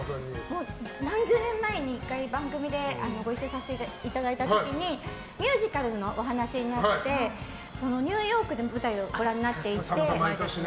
何十年前に１回、番組でご一緒させていただいた時にミュージカルのお話になってニューヨークで舞台をご覧になっていて。